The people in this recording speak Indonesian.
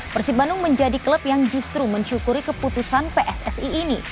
persib bandung menjadi klub yang justru mensyukuri keputusan pssi ini